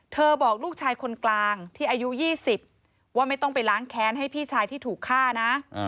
บอกลูกชายคนกลางที่อายุ๒๐ว่าไม่ต้องไปล้างแค้นให้พี่ชายที่ถูกฆ่านะ